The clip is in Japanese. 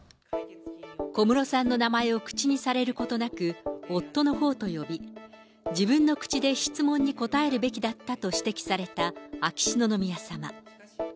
小室さんの名前を口にされることなく、夫のほうと呼び、自分の口で質問に答えるべきだったと指摘された秋篠宮さま。